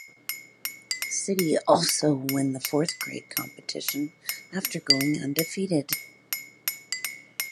City also win the fourth grade competition after going undefeated.